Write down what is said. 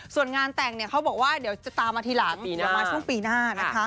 ส่วนงานแต่งเราจะตามมาทีหลังปีหน้า